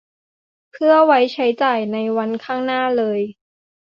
เพื่อไว้ใช้จ่ายในวันข้างหน้าเลย